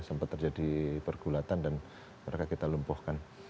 sempat terjadi pergulatan dan mereka kita lumpuhkan